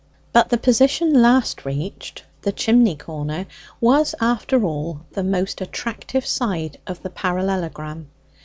But the position last reached the chimney corner was, after all, the most attractive side of the parallelogram.